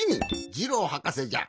ジローはかせじゃ。